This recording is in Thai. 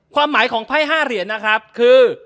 ความหมายของ๕เหรียญคือ